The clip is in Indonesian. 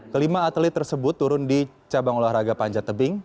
kelima atlet tersebut turun di cabang olahraga panjat tebing